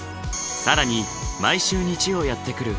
更に毎週日曜やって来る